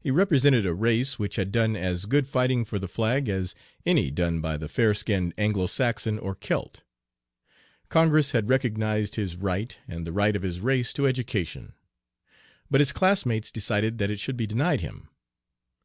He represented a race which had done as good fighting for the flag as any done by the fair skinned Anglo Saxon or Celt. Congress had recognized his right and the right of his race to education. "But his classmates decided that it should be denied him.